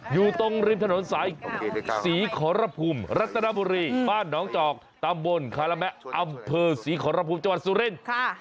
อยู่ตรงริมถนนสายศรีขอรภูมิรัตนบุรีบ้านน้องจอกตำบลคาระแมะอำเภอศรีขอรภูมิจังหวัดสุรินทร์